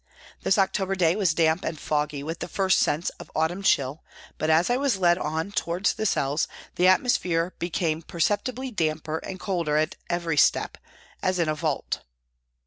This October day was damp and foggy with the first sense of autumn chill, but as I was led on towards the cells the atmosphere became per ceptibly damper and colder at every step, as in a vault.